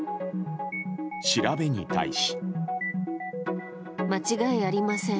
調べに対し。